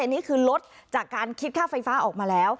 อันนี้คือลดจากการคิดค่าไฟฟ้าออกมาแล้ว